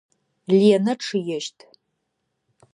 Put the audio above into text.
Ленэ чъыещт.